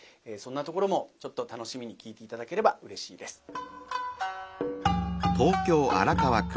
そんなところもちょっと楽しみに聴いて頂ければうれしいです。